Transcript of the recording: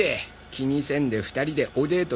気にせんで２人でおデート